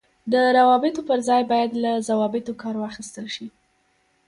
د روابطو پر ځای باید له ضوابطو کار واخیستل شي.